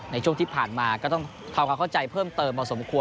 ในช่วงที่ผ่านมาก็ต้องทำความเข้าใจเพิ่มเติมพอสมควร